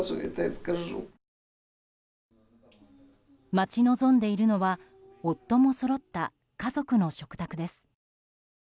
待ち望んでいるのは夫もそろった家族の食卓です。